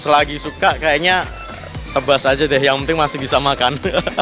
selagi suka kayaknya tebas aja deh yang penting masih bisa makan